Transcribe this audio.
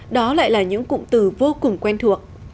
đó lại là những cụm từ vô cùng quen thuộc